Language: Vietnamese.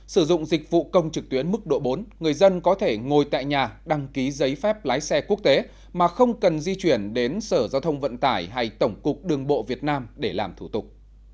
sử dụng dịch vụ công trực tuyến mức độ bốn người dân có thể ngồi tại nhà đăng ký giấy phép lái xe quốc tế mà không cần di chuyển đến sở giao thông vận tải hay tổng cục đường bộ việt nam để làm thủ tục